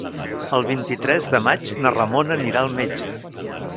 El vint-i-tres de maig na Ramona anirà al metge.